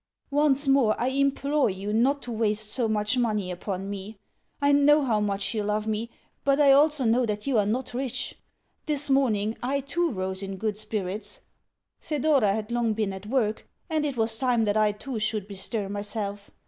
Once more I implore you not to waste so much money upon me. I know how much you love me, but I also know that you are not rich.... This morning I too rose in good spirits. Thedora had long been at work; and it was time that I too should bestir myself.